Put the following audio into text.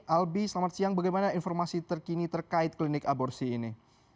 albi selamat siang bagaimana informasi terkini terkait klinik aborsi ini